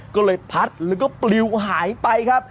ก็เลยพัดแล้วก็ปลิวหายไปครับ